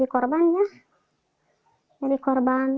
dan keinginan itu dapat terwujud